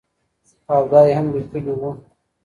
او دا ئې هم ليکلي وو